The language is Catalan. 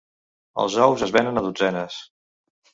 Els ous es venen a dotzenes.